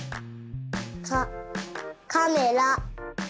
カカメラ。